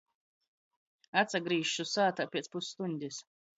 Atsagrīzšu sātā piec pusstuņdis.